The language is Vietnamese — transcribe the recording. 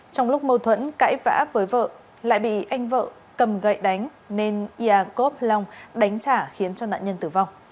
trong lúc mâu thuẫn cãi vã với vợ lại bị anh vợ cầm gậy đánh nên iakov long đánh trả khiến cho nạn nhân tử vong